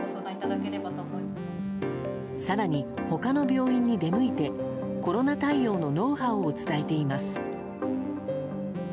更に、他の病院に出向いてコロナ対応のノウハウを伝えています。